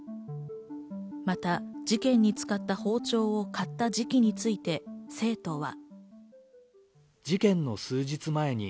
また事件に使った包丁を買った時期について生徒は。